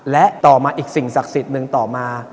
และต่อมาอีกสิ่งศักดิ์สิทธิ์หนึ่งต่อมา